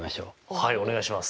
はいお願いします。